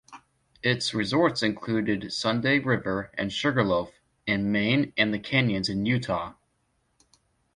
Its resorts included Sunday River and Sugarloaf, in Maine and The Canyons in Utah.